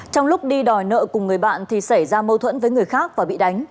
trong lúc đi đòi nợ cùng người bạn thì xảy ra mâu thuẫn với người khác và bị đánh